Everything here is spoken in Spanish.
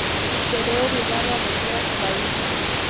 Se ve obligado a volver a su país.